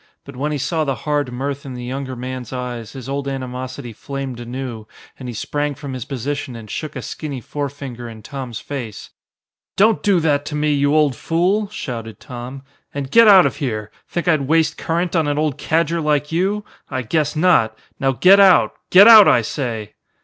But when he saw the hard mirth in the younger man's eyes, his old animosity flamed anew and he sprang from his position and shook a skinny forefinger in Tom's face. "Don't do that to me, you old fool!" shouted Tom, "and get out of here. Think I'd waste current on an old cadger like you? I guess not! Now get out. Get out, I say!"